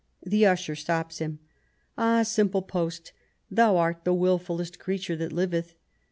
The usher stops him, "Ah, simple post, thou art the wilfullest creature that liveth.